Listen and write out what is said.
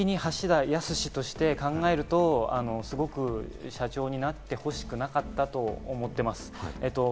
僕は個人的に橋田康として考えると、すごく社長になってほしくなかったと思ってます。